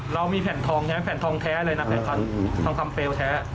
เรามีแผ่นทองแท้แผ่นทองแท้เลยนะแผ่นทองคำเปลวแท้